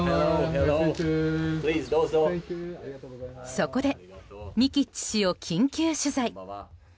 そこでミキッチ氏を緊急取材。